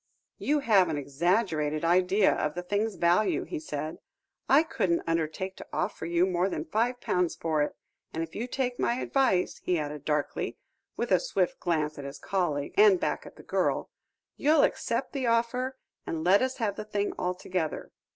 "You have an exaggerated idea of the thing's value," he said. "I couldn't undertake to offer you more than five pounds for it, and if you take my advice," he added darkly, with a swift glance at his colleague, and back at the girl, "you'll accept the offer, and let us have the thing altogether.